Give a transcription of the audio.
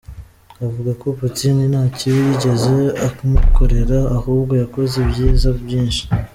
Avuga ko ‘Putin nta kibi yigeze amukorera ahubwo yakoze ibyiza byinshi.